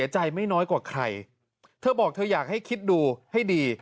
ใจไม่น้อยกว่าใครเธอบอกเธออยากให้คิดดูให้ดี